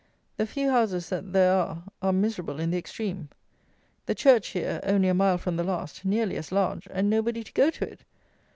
The few houses that there are are miserable in the extreme. The church here (only a mile from the last) nearly as large; and nobody to go to it.